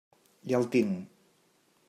Ja el tinc.